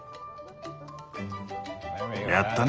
やったね。